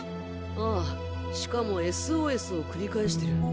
ああしかもＳＯＳを繰り返してる。